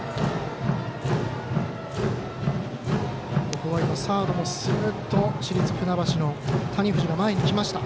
ここはサードもスッと市立船橋の谷藤、前に来ました。